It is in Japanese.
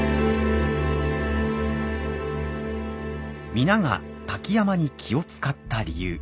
皆が瀧山に気を遣った理由。